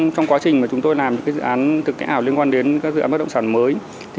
trong quá trình mà chúng tôi làm những dự án thực tiễn ảo liên quan đến các dự án bất động sản mới